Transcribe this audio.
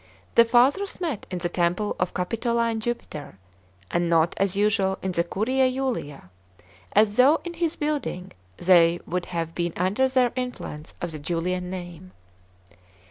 The fathers met in the temple of Capitoline Jupiter, and not, as usual, in the Curia Julia, as though in this building they would have been under the ^nfiuence of the Julian name.